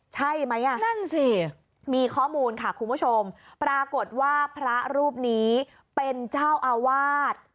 ใช่ไหมอ่ะนั่นสิมีข้อมูลค่ะคุณผู้ชมปรากฏว่าพระรูปนี้เป็นเจ้าอาวาส